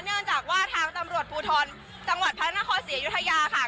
เนื่องจากว่าทางตำรวจภูทรจังหวัดพระนครศรีอยุธยาค่ะ